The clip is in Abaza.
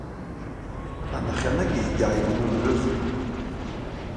Анахьаныгьи йгьгӏайгвнымгӏвызтӏ.